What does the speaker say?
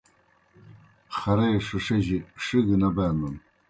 خرے ݜِݜِجیْ ݜِگہ نہ بینَن